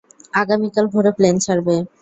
আগামীকাল ভোরে প্লেন ছাড়বে।